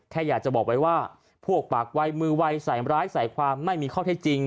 แค่อยากจะบอกไว้ว่าพวกปากวัยมือวัยใส่ร้ายใส่ความไม่มีข้อเท็จจริง